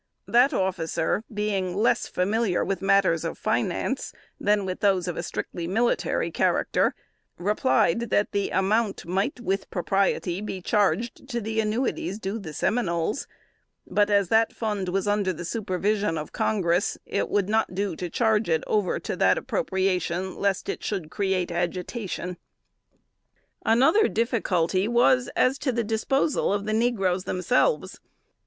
That officer, being less familiar with matters of finance than with those of a strictly military character, replied, that the amount might with propriety be charged to the annuities due the Seminoles; but as that fund was under the supervision of Congress, it would not do to charge it over to that appropriation, lest it should create agitation. Another difficulty was, as to the disposal of the negroes themselves.